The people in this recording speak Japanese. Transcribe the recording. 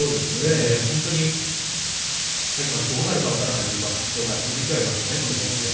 本当に最後までどうなるか分からないという場所が続いていますよね、今年１年。